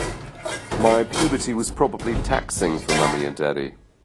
My puberty was probably taxing for mommy and daddy.